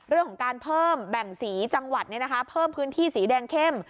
เรื่องของการเพิ่มแบ่งสีจังหวัดเพิ่มพื้นที่สีแดงเข้ม